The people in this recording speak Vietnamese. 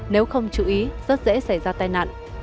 nếu không chú ý rất dễ xảy ra tai nạn